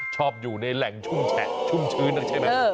ชอบอยู่ในแหล่งชุ่มแฉะชุ่มชื้นใช่ไหม